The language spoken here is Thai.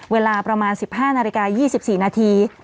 เวลาประมาณ๑๕นาฬิกา๒๔นาที